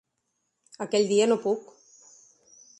Aquell dia no puc!